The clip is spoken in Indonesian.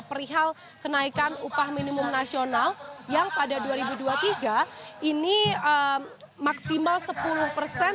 perihal kenaikan upah minimum nasional yang pada dua ribu dua puluh tiga ini maksimal sepuluh persen